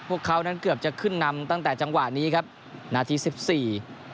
พวกเขานั้นเกือบจะขึ้นนำตั้งแต่จังหวะนี้ครับนาทีสิบสี่